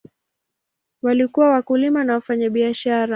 Walikuwa wakulima na wafanyabiashara.